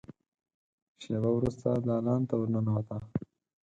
شېبه وروسته دالان ته ور ننوته.